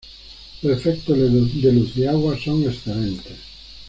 Los efectos de luz y agua son excelentes.